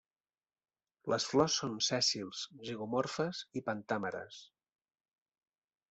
Les flors són sèssils, zigomorfes i pentàmeres.